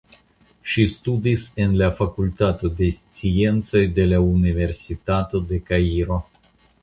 Ŝi studis en la Fakultato de Sciencoj de la Universitato de Kairo.